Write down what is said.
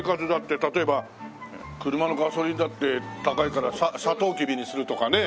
例えば車のガソリンだって高いからサトウキビにするとかね。